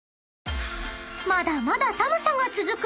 ［まだまだ寒さが続く